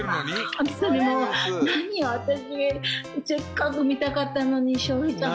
「何よ私せっかく見たかったのに」。